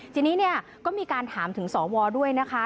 ทีนี้เนี่ยก็มีการถามถึงสวด้วยนะคะ